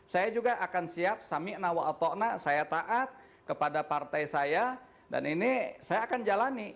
saya juga akan siap sami'na wa'atokna saya taat kepada partai saya dan ini saya akan jalani